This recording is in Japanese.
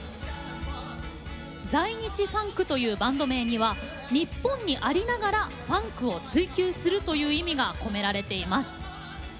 在日ファンクというバンド名には日本にありながらファンクを追求するという意味が込められています。